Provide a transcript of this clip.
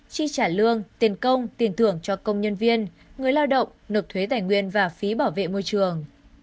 chi trả lương tiền công tiền thưởng cho công nhân viên người lao động nộp thuế tài nguyên và phí bảo vệ môi trường